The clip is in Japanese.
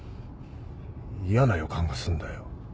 嫌な予感がすんだよ。